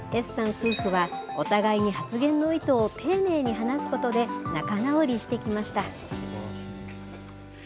夫婦は、お互いに発言の意図を丁寧に話すことで、仲直りしてきました。